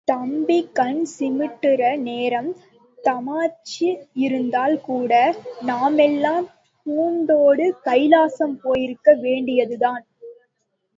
தம்பி, கண் சிமிட்டுற நேரம் தாமதிச்சு இருந்தால் கூட, நாமெல்லாம் கூண்டோடு கைலாசம் போயிருக்க வேண்டியதுதான்.